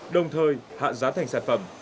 đồng thời hạ giá thành sản phẩm